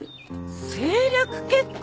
政略結婚！